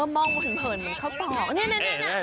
มองเพลินเหมือนเค้าต่อนี่